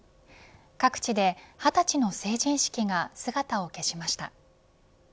各地で、二十歳の成人式が姿を消しました。